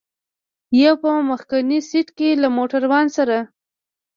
یو په مخکني سېټ کې له موټروان سره.